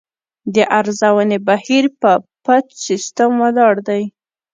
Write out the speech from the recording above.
د ارزونې بهیر په پټ سیستم ولاړ دی.